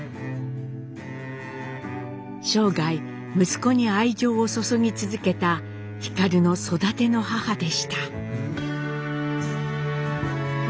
生涯息子に愛情を注ぎ続けた皓の育ての母でした。